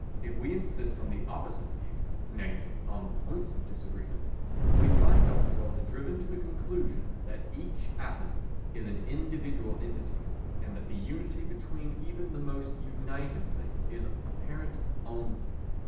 If we insist on the opposite view, namely, on the points of disagreement, we find ourselves driven to the conclusion that each atom is an individual entity, and that the unity between even the most united things is apparent only.